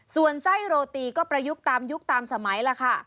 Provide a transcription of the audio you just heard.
ส่วนไส้โรตีก็ประยุกต์ตามยุคตามสมัยล่ะค่ะ